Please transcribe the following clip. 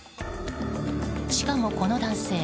しかも、この男性